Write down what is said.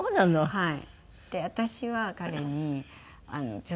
はい。